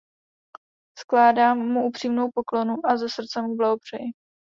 Skládám mu upřímnou poklonu a ze srdce mu blahopřeji.